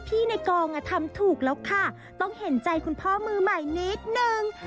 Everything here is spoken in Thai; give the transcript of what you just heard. ในกองอ่ะทำถูกแล้วค่ะต้องเห็นใจคุณพ่อมือใหม่นิดนึง